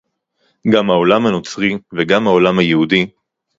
גם העולם הנוצרי וגם העולם היהודי